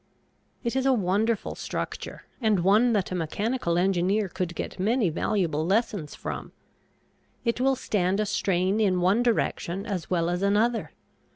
It is a wonderful structure, and one that a mechanical engineer could get many valuable lessons from. It will stand a strain in one direction as well as another.